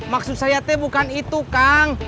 maksud saya teh bukan itu kang